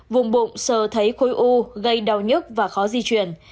vùng bụng sờ thấy khối u gây đau nhức và khó di chuyển